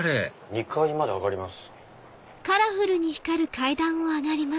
２階まで上がります。